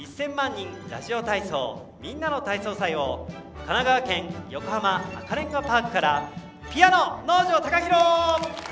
人ラジオ体操・みんなの体操祭」を神奈川県横浜赤レンガパークからピアノ、能條貴大！